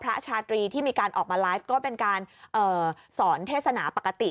ชาตรีที่มีการออกมาไลฟ์ก็เป็นการสอนเทศนาปกติ